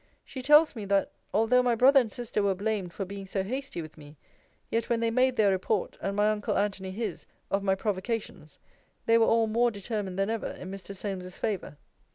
She tells me, that although my brother and sister were blamed for being so hasty with me, yet when they made their report, and my uncle Antony his, of my provocations, they were all more determined than ever in Mr. Solmes's favour.